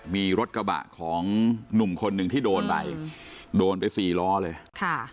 มีรถกระบะของหนุ่มคนหนึ่งที่โดนไปโดนไปสี่ล้อเลยค่ะ